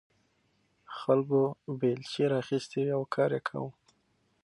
خلکو بیلچې راخیستې وې او کار یې کاوه.